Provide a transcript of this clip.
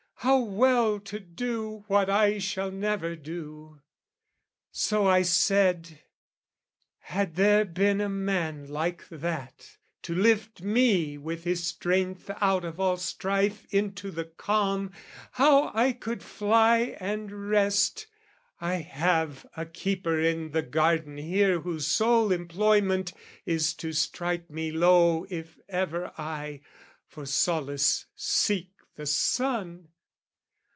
"How well to do what I shall never do!" So I said "Had there been a man like that, "To lift me with his strength out of all strife "Into the calm, how I could fly and rest! "I have a keeper in the garden here "Whose sole employment is to strike me low "If ever I, for solace, seek the sun.